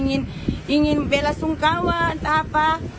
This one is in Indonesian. ingin bela sungkawa atau apa